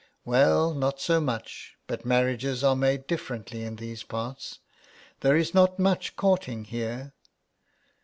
" Well, not so much, but marriages are made differ ently in these parts; there is not much courting here."